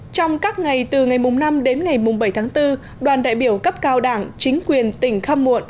trong các ngày từ ngày năm đến ngày bảy tháng bốn đoàn đại biểu cấp cao đảng chính quyền tỉnh khăm muộn